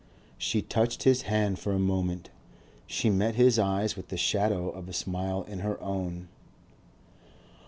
She touched his hand for a moment, she met his eyes with the shadow of a smile in her own.